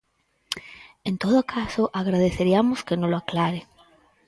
En todo caso, agradeceriamos que nolo aclare.